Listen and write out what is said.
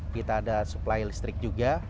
kita ada supply listrik juga